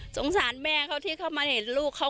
สารแม่เขาที่เข้ามาเห็นลูกเขา